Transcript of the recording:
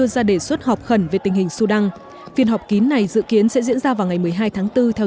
gặp họp khẩn về tình hình sudan phiên họp kín này dự kiến sẽ diễn ra vào ngày một mươi hai tháng bốn theo